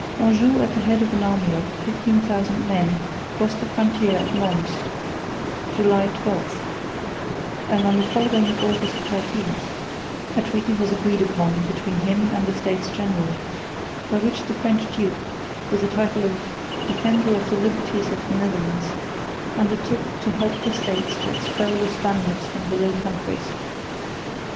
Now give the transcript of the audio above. Anjou at the head of an army of 15,000 men crossed the frontier at Mons, July 12; and, on the following August 13, a treaty was agreed upon between him and the States General, by which the French duke, with the title of Defender of the Liberties of the Netherlands, undertook to help the States to expel the Spaniards from the Low Countries.